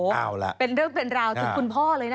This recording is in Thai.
เป็นเรื่องเป็นราวถึงคุณพ่อเลยนะครับ